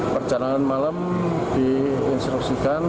perjalanan malam diinstruksikan